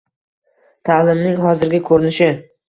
Ta’limning hozirgi ko‘rinishi